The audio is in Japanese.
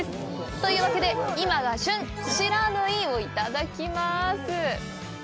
というわけで、今が旬、不知火をいただきます！